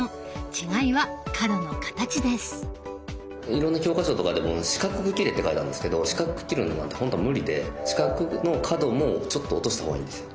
いろんな教科書とかでも四角く切れって書いてあるんですけど四角く切るのなんて本当は無理で四角の角もちょっと落とした方がいいんですよ。